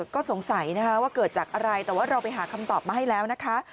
ก็สงสัยนะคะว่าเกิดจากอะไรแต่ว่าเราไปหาคำตอบมาให้แล้วนะคะ